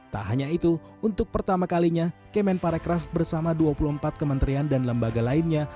tak hanya itu untuk pertama kalinya kemen parekraf bersama dua puluh empat kementerian dan lembaga lainnya